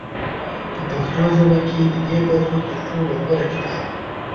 په پښتو ژبه کې د دې برخې تر ټولو غوره کتاب